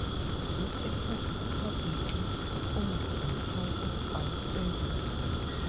This airport is publicly owned by Town of Barnstable.